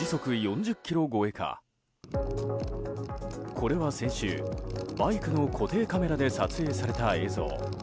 これは先週バイクの固定カメラで撮影された映像。